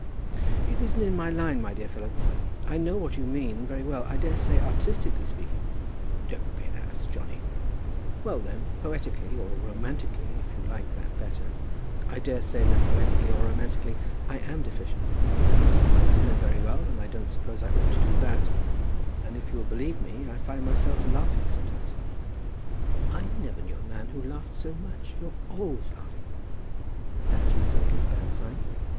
"It isn't in my line, my dear fellow. I know what you mean, very well. I daresay, artistically speaking, " "Don't be an ass, Johnny." "Well then, poetically, or romantically, if you like that better, I daresay that poetically or romantically I am deficient. I eat my dinner very well, and I don't suppose I ought to do that; and, if you'll believe me, I find myself laughing sometimes." "I never knew a man who laughed so much. You're always laughing." "And that, you think, is a bad sign?"